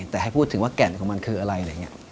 แต่ให้พูดถึงว่าแก่นของมันคืออะไรอะไรอย่างนี้